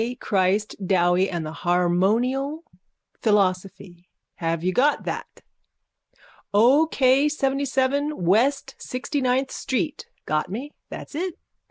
Christ Dowie and the harmonial philosophy, have you got that? O. K. Seventyseven west sixtyninth street. Got me? That's it.